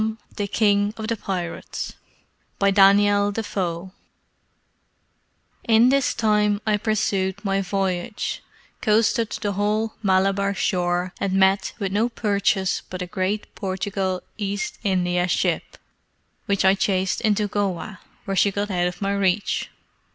THE DAUGHTER OF THE GREAT MOGUL DANIEL DEFOE In this time I pursued my voyage, coasted the whole Malabar shore, and met with no purchase but a great Portugal East India ship, which I chased into Goa, where she got out of my reach.